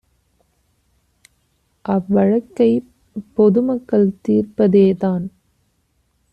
அவ்வழக்கைப் பொதுமக்கள் தீர்ப்ப தேதான்